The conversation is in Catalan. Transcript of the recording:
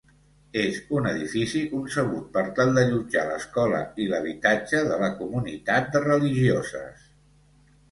És un edifici concebut per tal d'allotjar l'escola i l'habitatge de la comunitat de religioses.